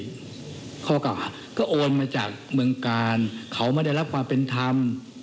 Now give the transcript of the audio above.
ข้อเก่าหาก็โอนมาจากเมืองกาลเขาไม่ได้รับความเป็นธรรม